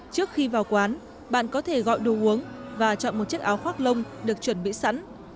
trước khi vào quán bạn có thể gọi đồ uống và chọn một chiếc áo khoác lông được chuẩn bị sẵn